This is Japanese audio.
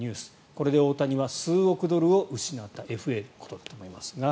これで大谷は数億ドルを失ったＦＡのことだと思いますが。